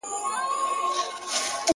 • د سرو سونډو په لمبو کي د ورک سوي یاد دی ـ